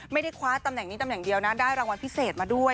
ไม่ได้คว้าตำแหน่งนี้ตำแหน่งเดียวนะได้รางวัลพิเศษมาด้วย